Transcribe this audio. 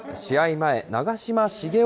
前、長嶋茂雄